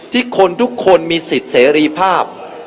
คนทุกคนมีสิทธิ์เสรีภาพ